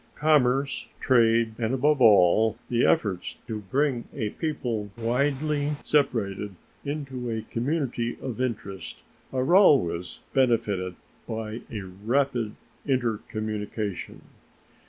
Commerce, trade, and, above all, the efforts to bring a people widely separated into a community of interest are always benefited by a rapid intercommunication.